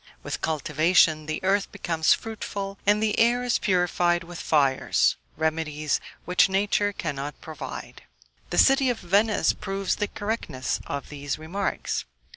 With cultivation the earth becomes fruitful, and the air is purified with fires remedies which nature cannot provide. The city of Venice proves the correctness of these remarks.